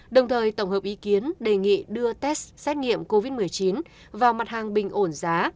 đồng thời tổng hợp ý kiến đề nghị đưa test xét nghiệm covid một mươi chín vào mặt hàng bình ổn giá